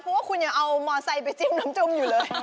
เพราะว่าคุณยังเอามอไซค์ไปจิ้มน้ำจุ้มอยู่เลย